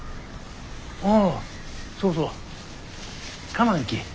ああそうそう構わんき。